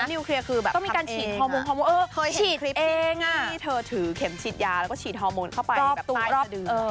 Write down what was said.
แล้วนิวเคลียร์คือแบบพัดเอง